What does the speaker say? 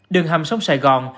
đường hầm sông sài gòn